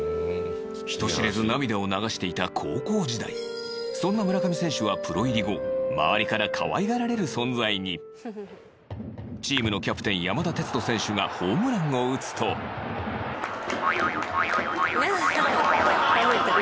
人知れず涙を流していた高校時代そんな村上選手はプロ入り後周りから可愛がられる存在にチームのキャプテン山田哲人選手がホームランを打つとみちょぱ：跳ねてる。